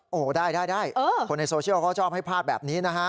โอ้โหได้ได้คนในโซเชียลเขาชอบให้ภาพแบบนี้นะฮะ